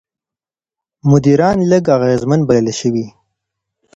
مدیران لږ اغېزمن بلل شوي.